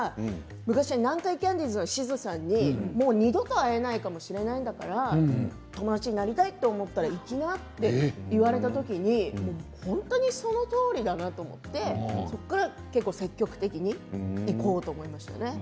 昔、南海キャンディーズのしずさんに、もう二度と会えないかもしれないから友達になりたいと思ったらいきなって言われた時に本当にそのとおりだなと思ってそこから積極的にいこうと思いましたね。